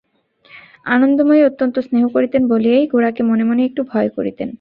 আনন্দময়ী অত্যন্ত স্নেহ করিতেন বলিয়াই গোরাকে মনে মনে একটু ভয় করিতেন।